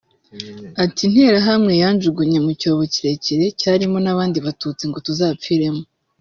Ati “Interahamwe yanjugunye mu cyobo kirekire cyarimo n’abandi Batutsi ngo tuzapfiremo